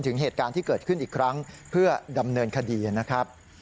ถึงเหตุการณ์ที่เกิดขึ้นอีกครั้งเพื่อดำเนินคดีนะครับ